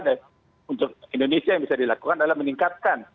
dan untuk indonesia yang bisa dilakukan adalah meningkatkan